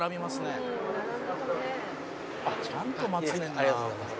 ありがとうございます。